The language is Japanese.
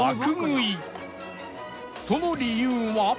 その理由は